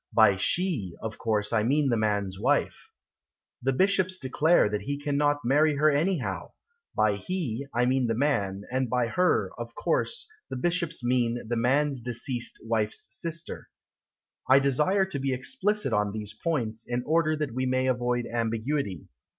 (By "she" of course I mean the man's wife.) The bishops declare That he cannot marry her anyhow (By "he" I mean the man, And by "her" of course The bishops mean The man's deceased wife's sister. I desire to be explicit on these points In order that we may avoid Ambiguity.)